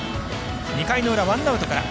２回の裏、ワンアウトから。